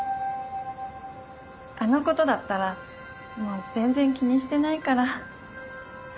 あのことだったらもう全然気にしてないから。